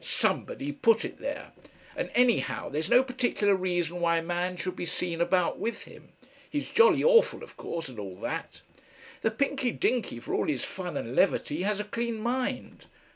SOMEBODY put it there.... And anyhow there's no particular reason why a man should be seen about with Him. He's jolly Awful of course and all that " "The Pinky Dinky for all his fun and levity has a clean mind."